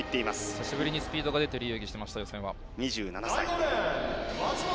久しぶりにスピードの出てる泳ぎをしていました、予選。